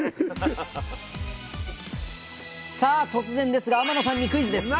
さあ突然ですが天野さんにクイズです！